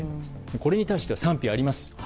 これに対して賛否あります。